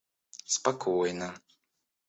спокойно